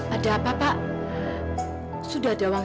ada apa apa sudah dawang